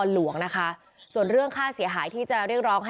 โหเที่ยมจริง